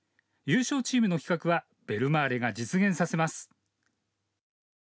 優勝チームの企画はベルマーレが実現させます。